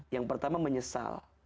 yang pertama menyesal